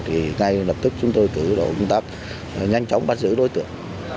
thì ngay lập tức chúng tôi cử tổ công tác nhanh chóng bắt giữ đối tượng